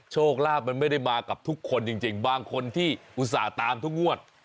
โชคลาภมันไม่ได้มากับทุกคนจริงบางคนที่อุตส่าห์ตามทุกงวด